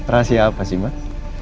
rahasia apa sih mas